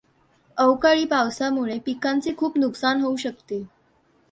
अवकाळी पावसामुळे पिकांचे खूप नुकसान होऊ शकते.